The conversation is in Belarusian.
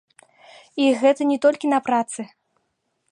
І гэта не толькі на працы.